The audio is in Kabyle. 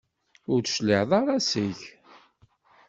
Ur d-cliɛeɣ ara seg-k.